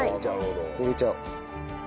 入れちゃおう。